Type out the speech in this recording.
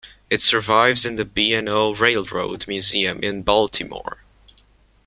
It survives in the B and O Railroad Museum in Baltimore.